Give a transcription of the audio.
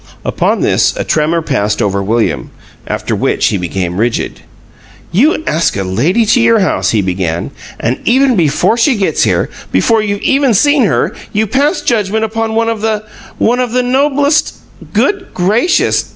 Upon this a tremor passed over William, after which he became rigid. "You ask a lady to your house," he began, "and even before she gets here, before you've even seen her, you pass judgment upon one of the one of the noblest " "Good gracious!